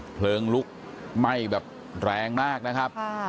เพลิงลุกไหม้แบบแรงมากนะครับ